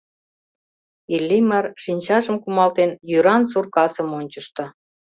Иллимар, шинчажым кумалтен, йӱран сур касым ончышто.